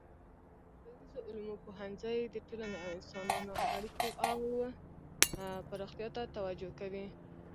د ټولنیزو علومو پوهنځی د ټولنې او انسانانو اړیکو او پراختیا ته توجه کوي.